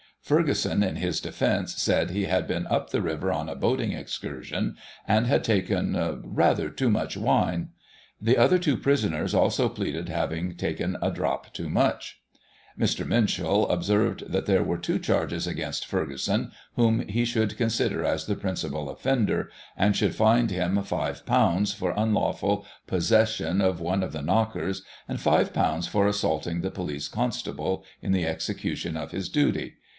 Ferguson, in his defence, said he had been up the river on a boating excursion, and had taken " rather too much wine." The other two prisoners also pleaded having taken a drop too much. Mr. MinshuU observed that there were two charges against Ferguson, whom he should consider as the principal offender, and should fine him £i for unlawful possession of one of the knockers, and £$ for assaulting the police constable in the execution of his duty.